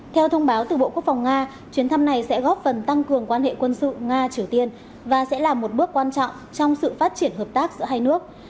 theo thông báo từ bộ quốc phòng nga chuyến thăm này sẽ góp phần tăng cường quan hệ quân sự nga triều tiên và sẽ là một bước quan trọng trong sự phát triển hợp tác giữa hai nước